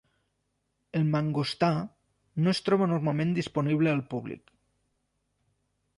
El mangostà, no es troba normalment disponible al públic.